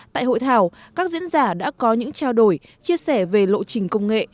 tại hội thảo các diễn giả đã có những trao đổi chia sẻ về lộ trình công nghệ